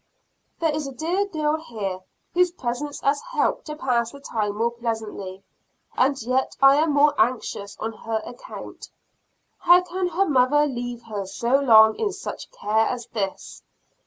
There is a dear girl here whose presence has helped to pass the time more pleasantly, and yet I am more anxious on her account. How can her mother leave her so long in such care as this?